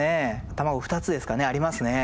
卵２つですかねありますね。